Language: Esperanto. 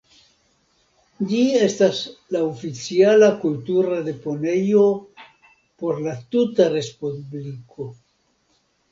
Ĝi estas la oficiala kultura deponejo por la tuta respubliko.